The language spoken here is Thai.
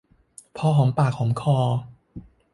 พอหอมปากหอมคอ